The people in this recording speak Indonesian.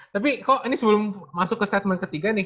tapi kok ini sebelum masuk ke statement ketiga nih